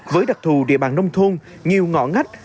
với đặc thù địa bàn nông thôn nhiều ngõ ngách